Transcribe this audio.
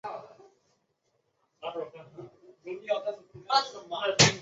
奢侈数的总位数大于整数本身的位数。